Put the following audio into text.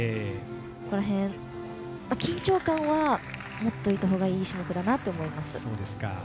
ここら辺、緊張感は持っておいたほうがいい種目だなと思います。